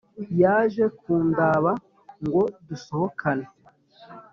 yaje kundaba ngo dusohokane